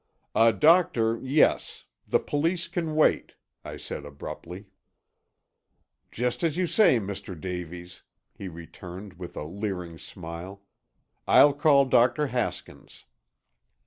"A doctor, yes. The police can wait," I said abruptly. "Just as you say, Mr. Davies," he returned with a leering smile. "I'll call Dr. Haskins."